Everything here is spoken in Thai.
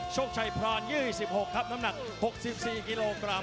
โชคชัยพราน๒๖ครับน้ำหนัก๖๔กิโลกรัม